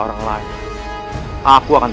kurang lebih masing masing